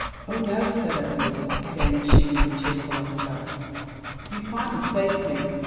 Oh no I" said Edward, again assuming a cheerful aspect; " you quite mistake me.